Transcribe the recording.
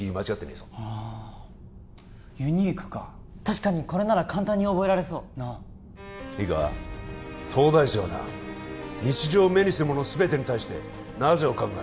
えぞはあユニークか確かにこれなら簡単に覚えられそうなあいいか東大生はな日常目にするものすべてに対して「なぜ？」を考え